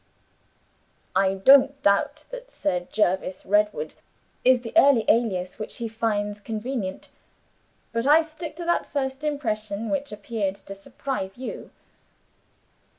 I don't doubt that Sir Jervis Redwood is the earthly alias which he finds convenient but I stick to that first impression which appeared to surprise you.